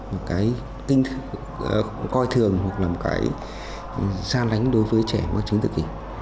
một cái coi thường hoặc là một cái xa lánh đối với trẻ có chứng tự kỷ